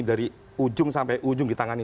dari ujung sampai ujung ditangani